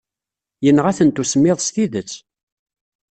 Yenɣa-tent usemmiḍ s tidet.